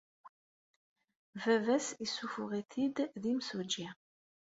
Baba-s yessuffeɣ-it-id d imsujji.